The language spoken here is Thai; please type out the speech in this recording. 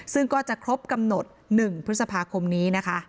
ซึ่งก็จะครบกำหนด๑พฤษภาคมนี้นะคะ